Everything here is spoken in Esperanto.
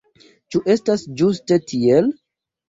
Ĉu estas ĝuste tiel?